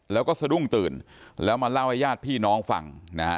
แล้วก็สะดุ้งตื่นแล้วมาเล่าให้ญาติพี่น้องฟังนะฮะ